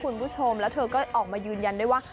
คุณผู้ชมแล้วเธอก็ออกมายืนยันด้วยว่า